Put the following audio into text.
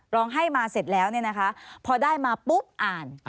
ร้องไห้มาเสร็จแล้วเนี่ยนะคะพอได้มาปุ๊บอ่าน